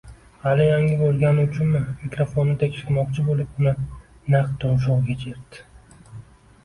hali yangi bo‘lgani uchunmi, mikrofonni tekshirmoqchi bo‘lib uni naq tumshug‘iga chertdi.